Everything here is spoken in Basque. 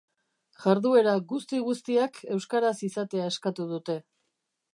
Jarduera guzti-guztiak euskaraz izatea eskatu dute.